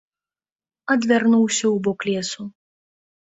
Адвярнуўся ў бок лесу.